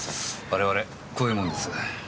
我々こういう者です。